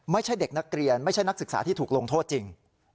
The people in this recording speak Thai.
ไม่ใช่เด็กนักเรียนไม่ใช่นักศึกษาที่ถูกลงโทษจริง